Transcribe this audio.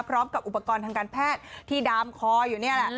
พร้อมกับอุปกรณ์ทางการแพทย์ที่ดามคออยู่นี่แหละ